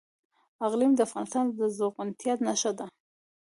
اقلیم د افغانستان د زرغونتیا نښه ده.